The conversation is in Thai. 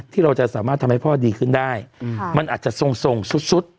ที่เราจะสามารถทำให้พ่อดีขึ้นได้มันอาจจะทรงสุด